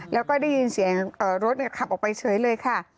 แล้วก็ได้ยินเสียงรถขับออกไปเฉยเลยค่ะ